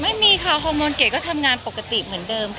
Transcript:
ไม่มีค่ะฮอร์โมนเกดก็ทำงานปกติเหมือนเดิม